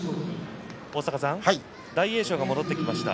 大栄翔が戻ってきました。